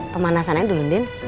pemanasannya dulu indin